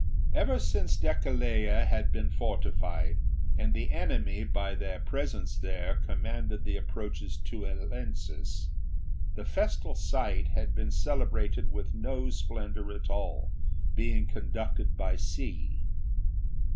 Ever since Deceleia had been fortified, and the enemy, by their presence there, commanded the approaches to Eleusis, the festal rite had been cele brated with no splendour at all, being conducted by sea.